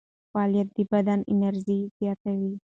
فعالیت د بدن انرژي زیاتوي.